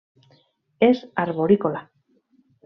És arborícola.